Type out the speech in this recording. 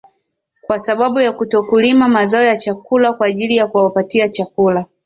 kwa sababu ya kutokulima mazao ya chakula kwa ajili ya kuwapatia chakula